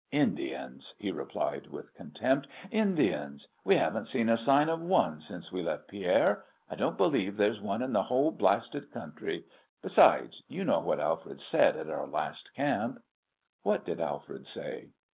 "Indians!" he replied, with contempt. "Indians! We haven't seen a sign of one since we left Pierre. I don't believe there's one in the whole blasted country. Besides, you know what Alfred said at our last camp?" "What did Alfred say?"